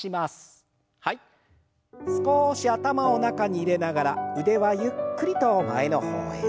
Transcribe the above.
少し頭を中に入れながら腕はゆっくりと前の方へ。